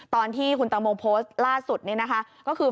ตอนที่คุณแตงโมโพสต์ล่าสุดก็คือแฟนนุมของเธอ